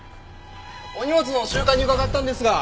お荷物の集荷に伺ったんですが。